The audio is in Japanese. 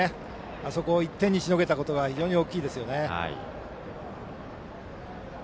あそこを１点でしのげたのが非常に大きいですよね。